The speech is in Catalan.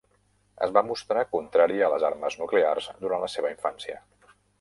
Es va mostrar contrària a les armes nuclears durant la seva infància.